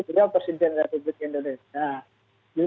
beliau presiden republik indonesia